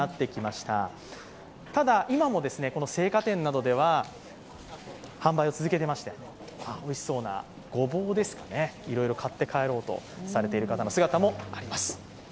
ただ、今も青果店などでは販売を続けてましておいしそうな、ごぼうですかね、いろいろ買って帰ろうとされている方の姿もあります。